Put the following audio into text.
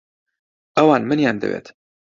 ئەوان منیان دەوێت.